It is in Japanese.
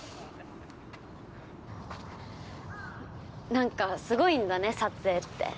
何かすごいんだね撮影って。